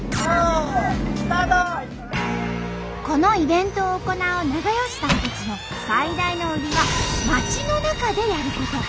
このイベントを行う永芳さんたちの最大の売りは街の中でやること。